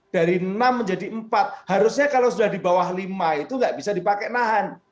dari enam menjadi empat harusnya kalau sudah di bawah lima itu nggak bisa dipakai nahan